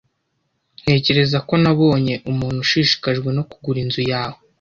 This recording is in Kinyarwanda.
Ntekereza ko nabonye umuntu ushishikajwe no kugura inzu yawe.